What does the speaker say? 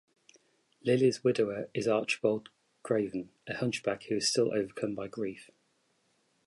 Lily's widower is Archibald Craven, a hunchback who is still overcome by grief.